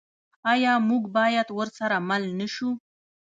آیا موږ باید ورسره مل نشو؟